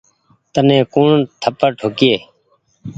تني ڪوڻ ٿپڙ ٺوڪيئي ۔